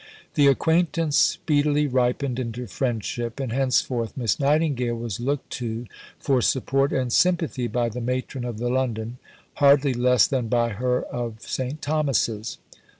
The acquaintance speedily ripened into friendship, and henceforth Miss Nightingale was looked to for support and sympathy by the Matron of the London, hardly less than by her of St. Thomas's.